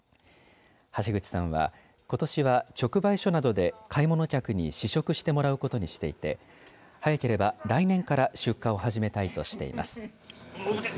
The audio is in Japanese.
橋口さんはことしは直売所などで買い物客に試食してもらうことにしていて早ければ来年から出荷を始めたいとしています。